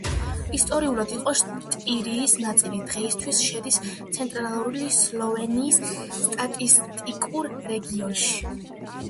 ისტორიულად იყო შტირიის ნაწილი, დღეისთვის შედის ცენტრალური სლოვენიის სტატისტიკურ რეგიონში.